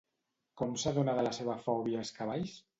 Com s'adona de la seva fòbia als cavalls?